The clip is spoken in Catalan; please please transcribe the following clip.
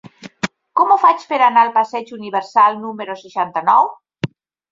Com ho faig per anar al passeig Universal número seixanta-nou?